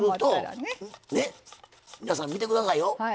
皆さん、見てくださいよ。